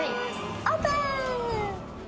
オープン！